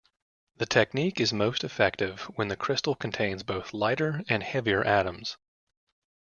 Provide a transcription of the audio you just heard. The technique is most effective when the crystal contains both lighter and heavier atoms.